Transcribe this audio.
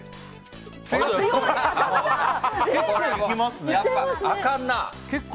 結構いきますね。